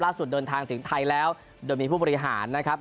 เดินทางถึงไทยแล้วโดยมีผู้บริหารนะครับ